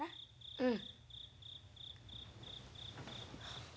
うん。